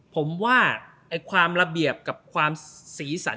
ผมว่าความระเบียบกับความสีสัน